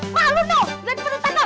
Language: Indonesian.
gila di mana tanda